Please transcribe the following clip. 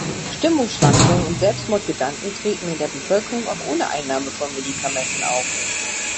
Stimmungsschwankungen und Selbstmordgedanken treten in der Bevölkerung auch ohne Einnahme von Medikamenten auf.